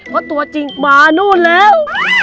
เพราะตัวจริงมานู่นแล้ว